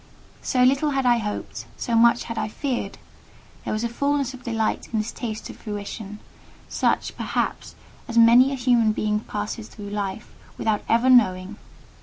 So little had I hoped, so much had I feared; there was a fulness of delight in this taste of fruition—such, perhaps, as many a human being passes through life without ever knowing.